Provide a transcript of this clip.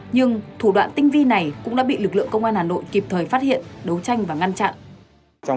nhưng thủ đoạn tinh vi này cũng đã bị lực lượng công an hà nội kịp thời phát hiện đấu tranh và ngăn chặn